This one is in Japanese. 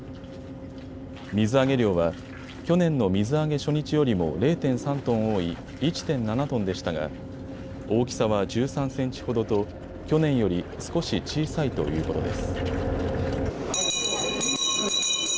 水揚げ量は去年の水揚げ初日よりも０．３トン多い１．７トンでしたが、大きさは１３センチほどと去年より少し小さいということです。